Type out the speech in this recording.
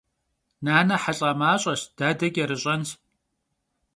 Nane helh'amaş'eş, dade ç'erış'enş.